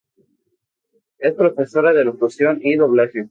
Es profesora de locución y doblaje.